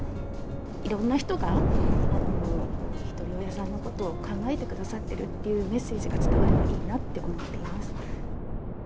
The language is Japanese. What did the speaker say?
いろんな人がひとり親さんのことを考えてくださっているというメッセージが伝わればいいなって思ってます。